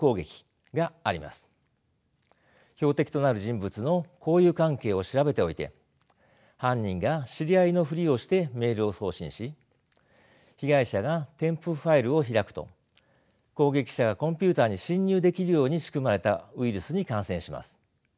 標的となる人物の交友関係を調べておいて犯人が知り合いのふりをしてメールを送信し被害者が添付ファイルを開くと攻撃者がコンピューターに侵入できるように仕組まれたウイルスに感染します。